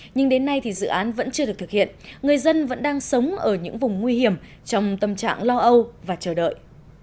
nhưng đến nay thì dự án vẫn chưa được thực hiện người dân vẫn đang sống ở những vùng nguy hiểm trong tâm trạng lo âu và chờ đợi